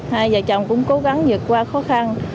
hai vợ chồng cũng cố gắng vượt qua khó khăn